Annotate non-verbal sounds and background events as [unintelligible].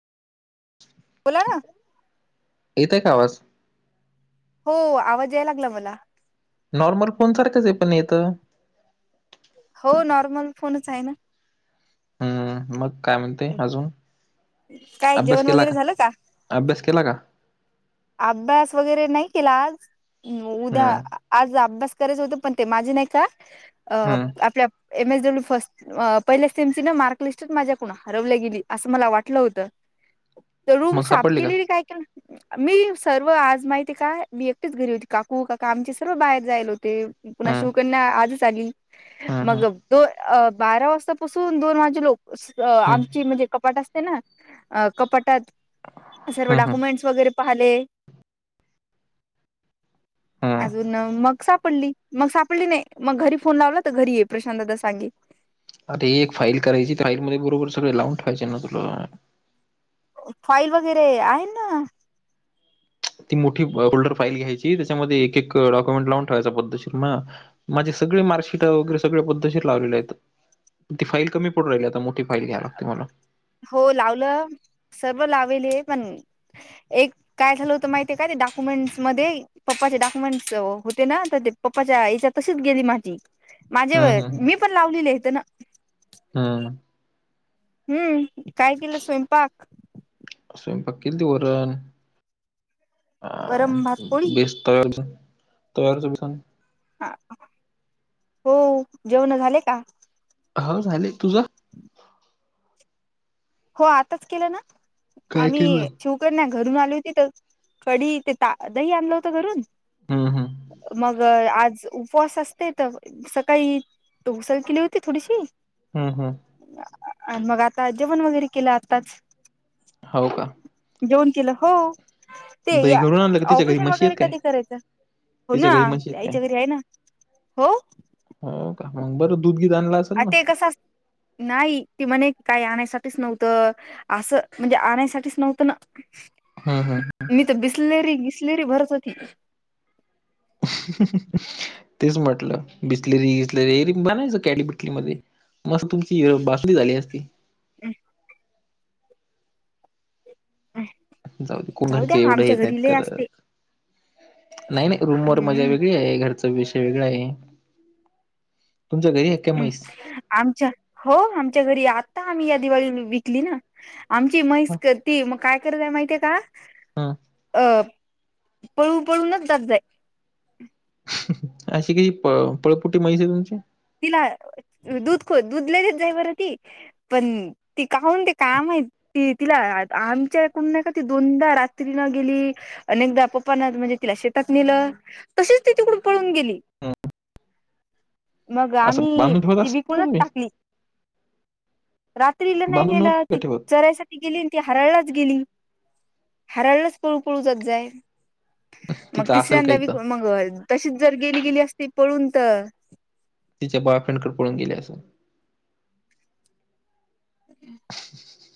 बोला ना येतंय का नाही आवाज हो आवाज याय लागलाय मला नॉर्मल फोन सारखंच आहे पण येत हो नॉर्मल फोनच आहे ना. हम मग काय म्हणते अजून काय अभ्यास जेवण केला वगैरे का झालं अभ्यास केला का अभ्यास वगैरे नाही केला आज उद्या हम्म आज अभ्यास कच होत पण ते माझे नाही का अ हम्म आपल्या एम एस डब्ल्यू फर्स्ट पहिल्या सेम ची न मार्क लिस्टच माझ्याकून हरवल्या गेली असं मला वाटलं होतं [unintelligible] तर रूम साफ सापडली का? केलेली काय की मी सर्व आज माहिती का मी एकटेच घरी होती काकू काका आमचे सर्व बाहेर जायला होते पुन्हा हम्म शिवकन्या आजच आली हम्म मग हम्म दो अ बारा वाजतापासून दोन वाजे लोक हम्म आमची म्हणजे कपाट असते ना कपाटात सर्व हम्म हम्म डॉक्युमेंट्स वगैरे पाहिले. हम्म अजून मग सा डली मग सापडली नाही मग घरी फोन लावला तर घरी ये प्रशांतदा सांगे अरे एक फाईल करायची फाईल मध्ये बरोबर सगळे लावं ठ व्हायचे ना तुला फाईल वगैरे आहे ना ती मोठी फोल्डर फाईल घ्यायची त्याच्यामध्ये एक एक डॉक्युमेंट लावून ठेवायचा पद्धतशीर ना माझे सगळे मार्कशिट वगैरे सगळे पद्धतीर लावले आहेत ती फाईल कमी पडू राहिली आता म हो लावलं सर्व लावेले पण एक काय झालं होत माहितीय काय ते डाक्युमेंट्स मध्ये पप्पाचे डाक्युमेंट्स होते ना तर पप्पाच्या याच्या तशीच गेली माझी माझे हम्म हम्म मी पण लावलेली आहेथ ना हम्म हम्म काय केलं स्वयंपाक,? स्वयंपाक केलती वरण अ वरम भात पोळी बेस्त तव्यावरच बेसन ह हो जेवण झाले का,? हो झाले तुझं? हो आताच केलं ना काय आम्ही केलं? शिवकण्या घरून आली होती तर कडी ते तादही आणलं होत घरून हम्म हम्म मग आज उपवास असते तर सकाळी त उसल केली होती थोडीशी हम्म हम्म. आणि मग आता जेवण वगैरे केलं आताच हो का दोन किलो हो ते दही घरून आणलं का तिच्या घरी ऑपरेशन म्हशी वगैरे आहेत काय? कधी करायचं हो तिच्या ना घरी म्हशी आहेत काय? यायच्या घरे आहे ना हो हो मग बर आ ते कस नाही ते म्हणे काय आणायची ठीच नव्हत अस म्हणजे आणायसाठीच नव्हतं ना हम्म हम्म मी तर बिसलेरी बिसलेरी भरत होती [inaudible] तेच म्हटलं बिसलेरी बिसलेरीरी बनायचं कॅडी बिटली मध्ये मस्ं तुमची बासणी झाली असती हम् अ जाऊ कोन्हाडचे एवढं येत नाहीत असते करत नाही नाही रूमवरर मजा हम्म वेगळी आहे, घरचा विषय वेगळा आहे. तुमच्या घरी आहे काय म्हैस? आमच्या हो आमच्या घरी आता आम्ही दिवाळी विकली ना आमची मैस ती मग काय करतय माहितीये का हं अं पळू पळूनच जात जाय अशी कशी प पळपुटी माैस आहे तुमची तिला दूध ख दूध लगेच जाई बरं ती पण ती काहून ते काम त तिला आमच्या एकूण नाही का ती दोनदा रात्री न गेली अनेकदा पप्पा. म्हणजे तिला शेतात नेलं तशीच ती तिकडून पळून गेली हं मग असं आम्ही बांधून ठेवत ती असाल ना विकूनच तुम्ही टाकली रात्रीला नाही बांधून नेला नव्हती का ती ठेवत? चरायसाठी गेली ती हरायलाच गेली हारयलाच पळू पळू जात जाय मग तिचं असेल तिसऱ्यांदा काही तर ब मग तशीच जर गेली गेली असते पळून तर तिच्या बॉयफ्रेंडकडे पळून गेले अस हम्म